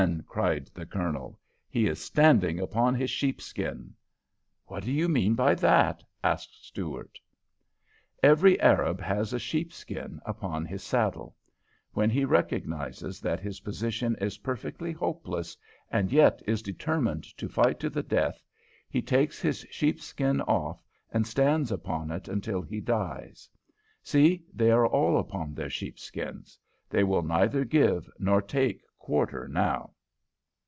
cried the Colonel. "He is standing upon his sheepskin." "What do you mean by that?" asked Stuart. "Every Arab has a sheepskin upon his saddle. When he recognises that his position is perfectly hopeless, and yet is determined to fight to the death, he takes his sheepskin off and stands upon it until he dies. See, they are all upon their sheepskins. They will neither give nor take quarter now."